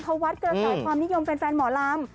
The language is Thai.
เขาวัดกระแสความนิยมแฟนหมอลำ